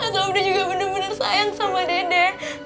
sobri juga bener bener sayang sama dede